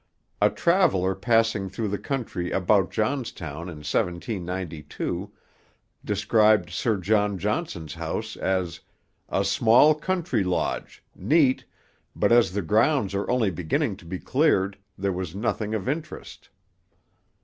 A traveller passing through the country about Johnstown in 1792 described Sir John Johnson's house as 'a small country lodge, neat, but as the grounds are only beginning to be cleared, there was nothing of interest.'